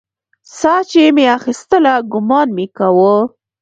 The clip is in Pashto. ساه چې مې اخيستله ګومان مې کاوه.